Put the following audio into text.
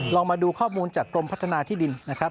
มาดูข้อมูลจากกรมพัฒนาที่ดินนะครับ